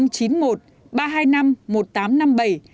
điện thoại chín mươi một ba trăm hai mươi năm một nghìn tám trăm năm mươi bảy